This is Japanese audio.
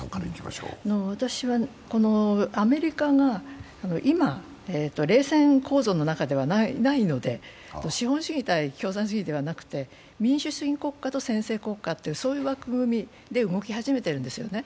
私はアメリカが今、冷戦構造の中ではないので、資本主義対共産主義ではなくて、民主主義国家と専制国家、そういう枠組みで動き始めているんですよね。